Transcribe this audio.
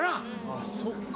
あっそっか。